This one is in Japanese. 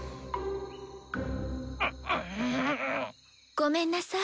ごめんなさい。